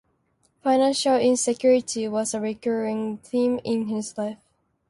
Financial insecurity was a recurring theme in his life.